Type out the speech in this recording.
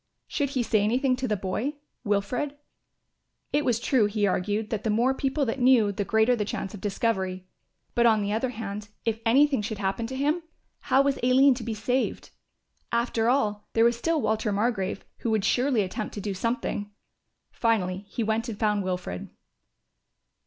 Should he say anything to the boy, Wilfred? It was true, he argued, that the more people that knew, the greater the chance of discovery. But on the other hand, if anything should happen to him, how was Aline to be saved? After all there was still Walter Margrove, who would surely attempt to do something. Finally he went and found Wilfred.